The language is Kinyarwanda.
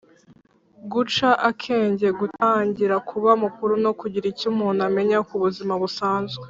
guca akenge: gutangira kuba mukuru no kugira icyo umuntu amenya ku buzima busanzwe